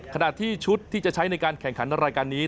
ขณะที่ชุดที่จะใช้ในการแข่งขันรายการนี้